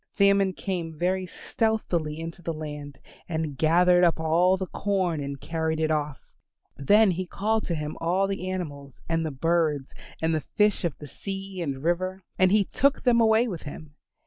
Famine came very stealthily into the land and gathered up all the corn and carried it off; then he called to him all the animals, and the birds, and the fish of the sea and river, and he took them away with him.